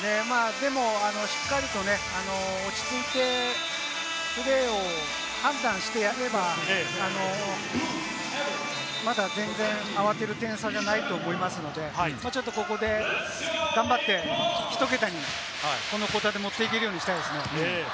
でもしっかりと落ち着いてプレーを判断してやれれば、まだ全然慌てる点差じゃないと思いますので、ちょっとここで頑張って一桁にこのクオーターで持っていけるようにしたいですね。